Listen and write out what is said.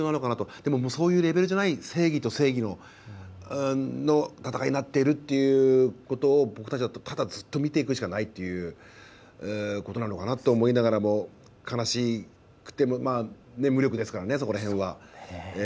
でも、そういうレベルじゃない正義と正義の戦いになっているんだなということを僕たちはただずっと見ていくしかないということなのかなと思いながらも、悲しくても無力ですから、そこら辺は。